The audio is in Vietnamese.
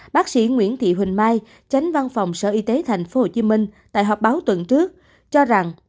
bác sĩ nguyễn thị huỳnh mai chánh văn phòng sở y tế tp hcm tại họp báo tuần trước cho rằng